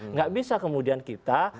nggak bisa kemudian kita